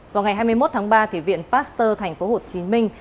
vào ngày hai mươi một tháng ba viện pasteur thành phố hồ chí minh